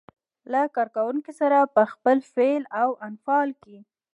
له کار کوونکو سره په خپل فعل او انفعال کې.